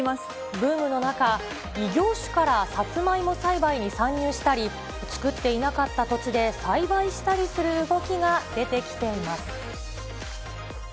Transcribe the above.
ブームの中、異業種からサツマイモ栽培に参入したり、作っていなかった土地で栽培したりする動きが出てきています。